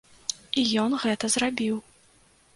І ён гэта зрабіў.